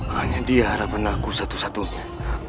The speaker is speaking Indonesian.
hanya dia harapan aku satu satunya